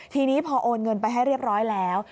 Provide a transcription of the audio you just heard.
ทีนี้พอโอนเงินไปให้เรียบร้อยแล้ว